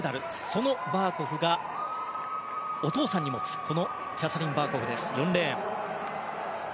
そのバーコフをお父さんに持つキャサリン・バーコフ４レーン。